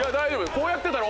こうやってたら。